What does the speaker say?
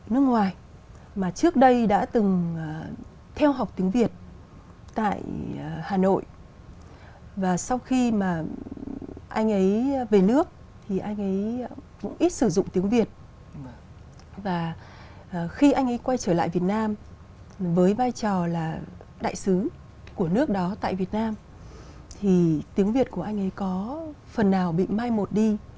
nhưng mà trước đây đã từng theo học tiếng việt tại hà nội và sau khi mà anh ấy về nước thì anh ấy cũng ít sử dụng tiếng việt và khi anh ấy quay trở lại việt nam với vai trò là đại sứ của nước đó tại việt nam thì tiếng việt của anh ấy có phần nào bị mai một đi